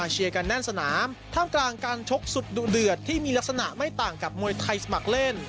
สนามทางกลางการชกสุดดุเดือดที่มีลักษณะไม่ต่างกับมวยไทยสมัครเล่น